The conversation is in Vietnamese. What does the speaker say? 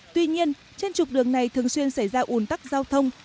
tuy nhiên trên trục đường này thường xuyên xảy ra ủn tắc giao thông